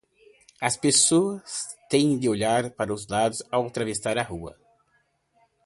As pessoas têm de olhar para os lados ao atravessar a rua.